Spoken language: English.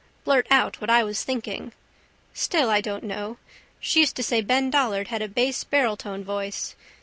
Blurt out what I was thinking. Still, I don't know. She used to say Ben Dollard had a base barreltone voice.